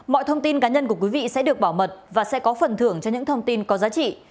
mọi thông tin cá nhân của quý vị sẽ được bảo mật và sẽ có phần thưởng cho những thông tin có giá trị